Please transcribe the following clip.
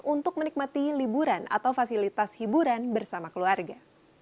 untuk menikmati liburan atau fasilitas hiburan bersama keluarga